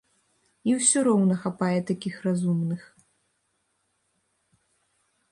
І усё роўна хапае такіх разумных.